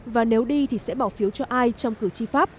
và nếu đi thì sẽ bỏ phiếu cho ai trong cử tri pháp